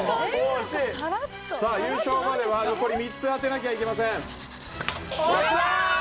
さあ、優勝までは残り３つ当てなきゃいけません。